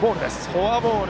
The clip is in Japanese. フォアボール。